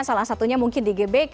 salah satunya mungkin di gbk